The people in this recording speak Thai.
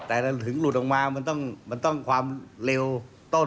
แต่ถึงหลุดออกมามันต้องความเร็วต้น